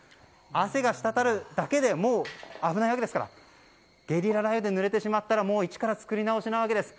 汗が滴るだけで危ないわけですからゲリラ雷雨でぬれてしまったらもう、一から作り直しなわけです。